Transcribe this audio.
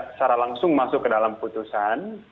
tidak secara langsung masuk ke dalam keputusan